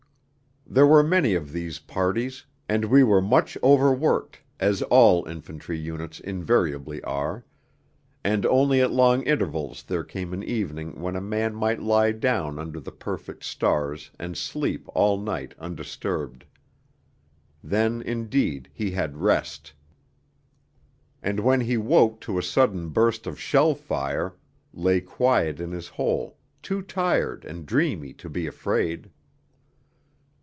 There were many of these parties, and we were much overworked, as all infantry units invariably are; and only at long intervals there came an evening when a man might lie down under the perfect stars and sleep all night undisturbed. Then indeed he had rest; and when he woke to a sudden burst of shell fire, lay quiet in his hole, too tired and dreamy to be afraid.